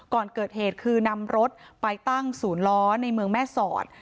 ก่อนเกิดเหตุคือนำรถไปตั้งศูนย์ล้อในเมืองแม่สอด